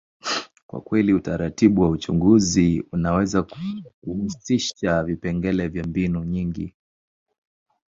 kwa kweli, utaratibu wa uchunguzi unaweza kuhusisha vipengele vya mbinu nyingi.